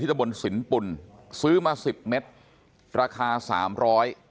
ที่ตะบนสินปุ่นซื้อมา๑๐เมตรราคา๓๐๐บาท